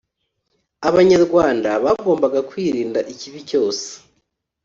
abanyarwanda bagombaga kwirinda ikibi cyose